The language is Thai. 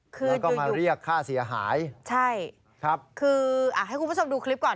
แล้วก็มาเรียกค่าเสียหายใช่ครับคืออ่ะให้คุณผู้ชมดูคลิปก่อน